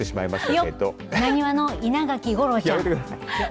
よっなにわの稲垣吾郎ちゃん。